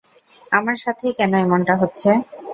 আমার সাথেই কেন এমনটা হচ্ছে।